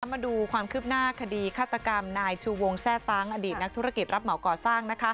มาดูความคืบหน้าคดีฆาตกรรมนายชูวงแทร่ตั้งอดีตนักธุรกิจรับเหมาก่อสร้าง